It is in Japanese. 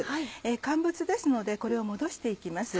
乾物ですのでこれを戻して行きます。